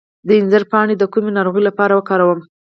د انځر پاڼې د کومې ناروغۍ لپاره وکاروم؟